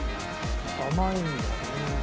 甘いんだね。